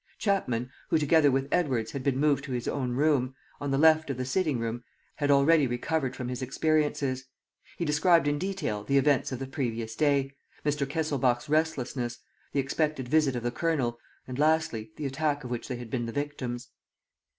Chapman, who together with Edwards, had been moved to his own room, on the left of the sitting room, had already recovered from his experiences. He described in detail the events of the previous day, Mr. Kesselbach's restlessness, the expected visit of the Colonel and, lastly, the attack of which they had been the victims.